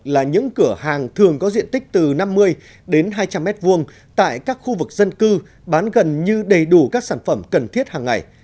là những cửa hàng thường có diện tích từ năm mươi đến hai trăm linh m hai tại các khu vực dân cư bán gần như đầy đủ các sản phẩm cần thiết hàng ngày